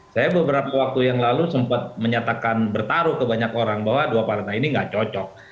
saya beberapa waktu yang lalu sempat menyatakan bertaruh ke banyak orang bahwa dua partai ini gak cocok